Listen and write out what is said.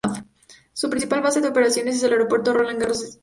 Su principal base de operaciones es el Aeropuerto Roland Garros, St Denis.